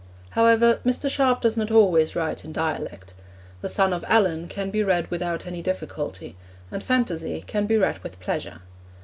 However, Mr. Sharp does not always write in dialect. The Son of Allan can be read without any difficulty, and Phantasy can be read with pleasure.